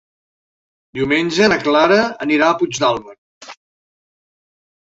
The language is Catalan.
Diumenge na Clara anirà a Puigdàlber.